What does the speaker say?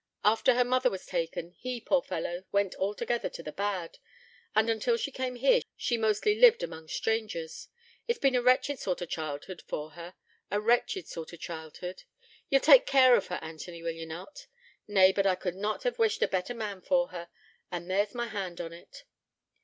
After her mother was taken, he, poor fellow, went altogether to the bad, and until she came here she mostly lived among strangers. It's been a wretched sort of childhood for her a wretched sort of childhood. Ye'll take care of her, Anthony, will ye not? ... Nay, but I could not hev wished for a better man for her, and there's my hand on 't.'